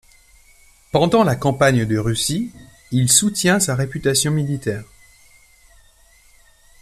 Pendant la campagne de Russie, il soutient sa réputation militaire.